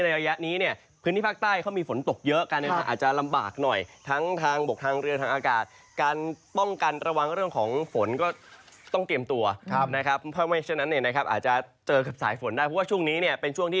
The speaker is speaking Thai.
ระยะนี้เนี่ยพื้นที่ภาคใต้เขามีฝน